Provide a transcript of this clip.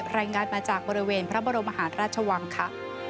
รายงานมาจากบริเวณพระบรมหาราชวังค่ะ